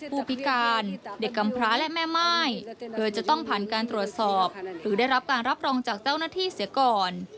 ผู้พิการเด็กกำพระและแม่ม่ายโดยจะต้องผ่านการตรวจสอบหรือได้รับการรับรองจากเจ้าหน้าที่เสียก่อน